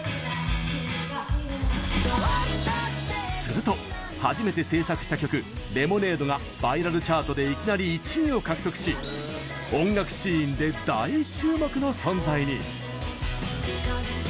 すると、初めて制作した曲「ｌｅｍｏｎａｄｅ」がバイラルチャートでいきなり１位を獲得し音楽シーンで大注目の存在に。